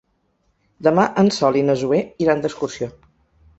Demà en Sol i na Zoè iran d'excursió.